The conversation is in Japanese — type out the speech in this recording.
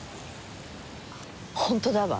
本当だわ！